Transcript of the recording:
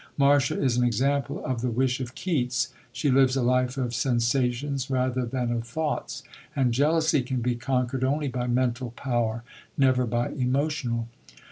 Marcia is an example of the wish of Keats she lives a life of sensations rather than of thoughts; and jealousy can be conquered only by mental power, never by emotional.